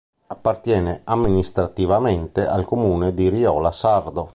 Appartiene amministrativamente al comune di Riola Sardo.